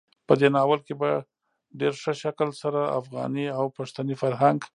په دې ناول کې په ډېر ښه شکل سره افغاني او پښتني فرهنګ,